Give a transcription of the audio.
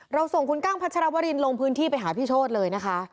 ส่งคุณกั้งพัชรวรินลงพื้นที่ไปหาพี่โชธเลยนะคะ